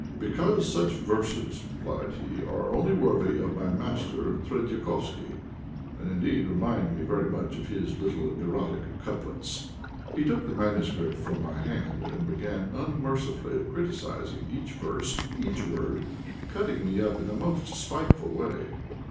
"Because such verses," replied he, "are only worthy of my master Trédiakofski, and, indeed, remind me very much of his little erotic couplets." He took the MSS. from my hand and began unmercifully criticizing each verse, each word, cutting me up in the most spiteful way.